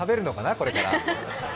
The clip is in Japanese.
これから。